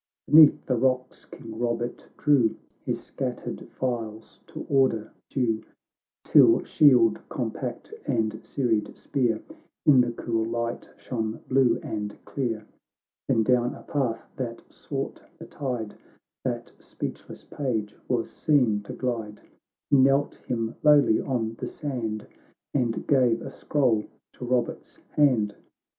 Beneath the rocks King Bobert drew His scattered files to order due, Till shield compact and serried spear In the cool light shone blue and clear. Then down a path that sought the tide, That speechless page was seen to glide ; He knelt him lowly on the sand, And gave a scroll to Eobert's hand.